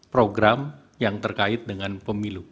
program yang terkait dengan pemilu